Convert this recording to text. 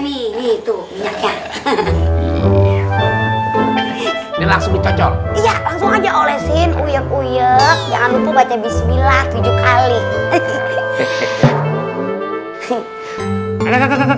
ini langsung dicocok iya langsung aja olesin uyek uyek jangan lupa baca bismillah tujuh kali